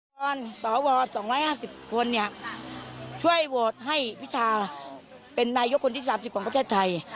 นางบังออนสว๒๕๐คนช่วยโหวตให้พิธาเป็นในยกคนที่๓๐ประเทศไทย